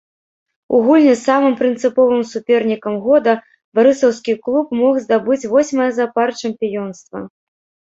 У гульні з самым прынцыповым супернікам года барысаўскі клуб мог здабыць восьмае запар чэмпіёнства.